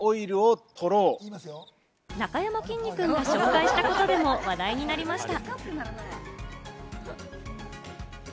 なかやまきんに君が紹介したことでも話題になりました。